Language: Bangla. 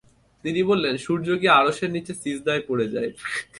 তিনি বললেনঃ সূর্য গিয়ে আরশের নিচে সিজদায় পড়ে যায়।